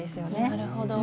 なるほど。